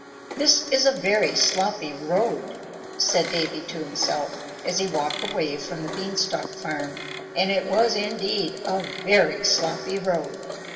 "This is a very sloppy road," said Davy to himself, as he walked away from the Bean stalk farm; and it was, indeed, a very sloppy road.